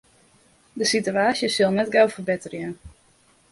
De sitewaasje sil net gau ferbetterje.